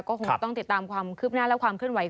ก็คงต้องติดตามความคืบหน้าและความเคลื่อนไหว